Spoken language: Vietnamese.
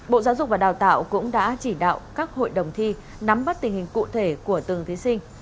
bộ giáo dục và đào tạo cũng đã chỉ đạo các hội đồng thi nắm bắt tình hình cụ thể của từng thí sinh